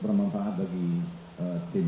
bermanfaat bagi tim